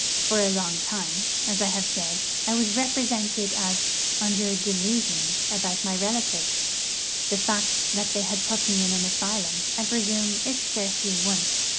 For a long time, as I have said, I was represented as under 'delusions' about my relatives. The fact that they put me in an asylum, I presume, is scarcely one.